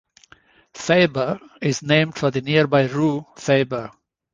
Fabre is named for the nearby rue Fabre.